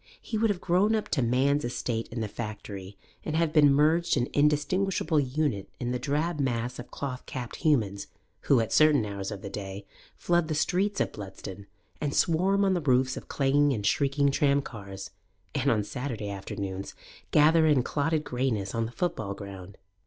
He would have grown up to man's estate in the factory and have been merged an indistinguishable unit in the drab mass of cloth capped humans who, at certain hours of the day, flood the streets of Bludston, and swarm on the roofs of clanging and shrieking tramcars, and on Saturday afternoons gather in clotted greyness on the football ground.